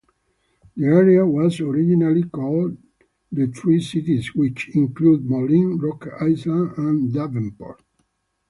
The area was originally called the Tri-Cities which included Moline, Rock Island, and Davenport.